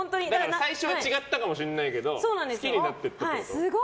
最初は違ったかもしれないけど好きになっていったってこと。